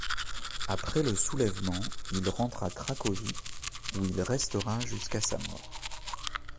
Après le soulèvement il rentre à Cracovie, où il restera jusqu'à sa mort.